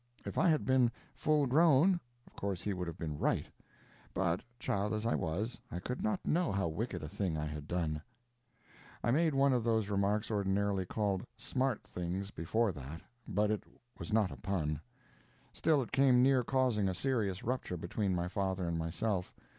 If I had been full grown, of course he would have been right; but, child as I was, I could not know how wicked a thing I had done. I made one of those remarks ordinarily called "smart things" before that, but it was not a pun. Still, it came near causing a serious rupture between my father and myself.